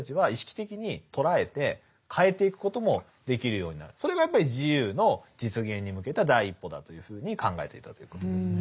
ただヘーゲルはそのそれがやっぱり自由の実現に向けた第一歩だというふうに考えていたということですね。